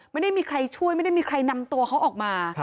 ไม่ได้มีใครช่วยไม่ได้มีใครนำตัวเขาออกมา